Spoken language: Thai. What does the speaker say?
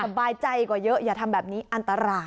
สบายใจกว่าเยอะอย่าทำแบบนี้อันตราย